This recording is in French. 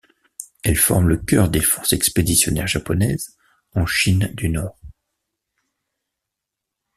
Elle forme le cœur des forces expéditionnaires japonaises en Chine du Nord.